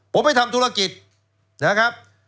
ผมไปทำธุรกิจนะครับ